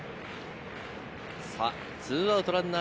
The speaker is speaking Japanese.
２アウトランナー